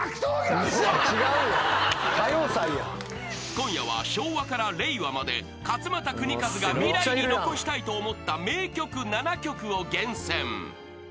［今夜は昭和から令和まで勝俣州和が未来に残したいと思った名曲７曲を厳選］